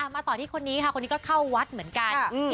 มาต่อที่คนนี้ค่ะคนนี้ก็เข้าวัดเหมือนกัน